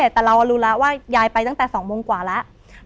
แต่เรารู้แล้วว่ายายไปตั้งแต่๒โมงกว่าแล้ว